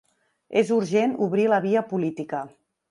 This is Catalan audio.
És urgent obrir la via política.